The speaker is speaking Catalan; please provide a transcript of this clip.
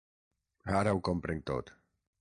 Ara ho comprenc tot!